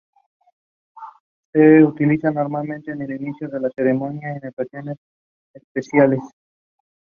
It was screened with "William and Dorothy" as "Clouds of Glory".